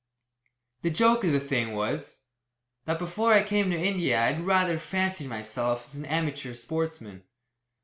The joke of the thing was, that before I came to India I had rather fancied myself as an amateur sportsman.